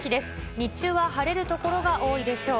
日中は晴れる所が多いでしょう。